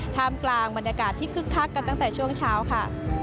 ทางกลางมนาคารที่ขึ้นคักเหลือกันตั้งแต่ช่วงเช้าค่ะ